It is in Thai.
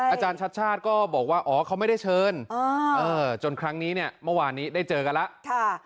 อาจารย์ชัดชาติก็บอกว่าอ๋อเขาไม่ได้เชิญจนครั้งนี้เนี่ยเมื่อวานนี้ได้เจอกันแล้ว